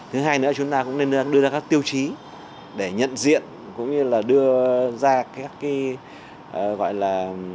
thứ hai nữa chúng ta cũng nên đưa ra các tiêu chí để nhận diện cũng như là đưa ra các cái gọi là